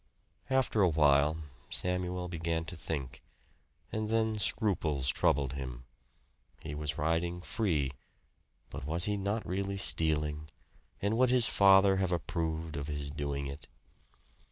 After a while, Samuel began to think; and then scruples troubled him. He was riding free; but was he not really stealing? And would his father have approved of his doing it?